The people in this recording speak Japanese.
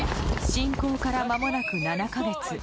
侵攻から、まもなく７か月。